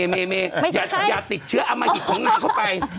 อย่าติดเชื้ออมหิตของนางเข้าไป